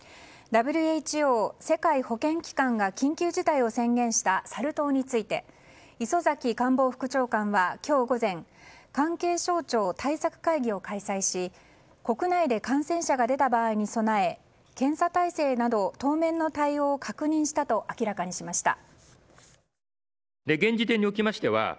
ＷＨＯ・世界保健機関が緊急事態を宣言したサル痘について磯崎官房副長官は今日午前関係省庁対策会議を開催し国内で感染者が出た場合に備え検査体制など当面の対応を確認したと明らかにしました。